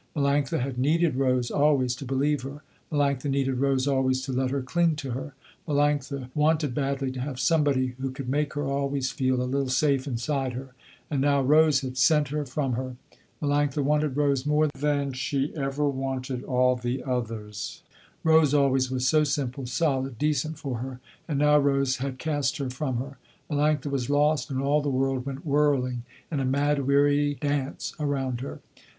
Melanctha had needed Rose always to believe her, Melanctha needed Rose always to let her cling to her, Melanctha wanted badly to have somebody who could make her always feel a little safe inside her, and now Rose had sent her from her. Melanctha wanted Rose more than she had ever wanted all the others. Rose always was so simple, solid, decent, for her. And now Rose had cast her from her. Melanctha was lost, and all the world went whirling in a mad weary dance around her.